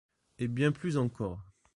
Et bien plus encore...